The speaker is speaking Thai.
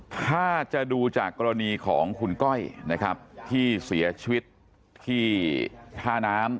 ถ้าจะดูจากกรณีของคุณก้อยนะครับที่เสียชีวิตที่ท่าน้ำ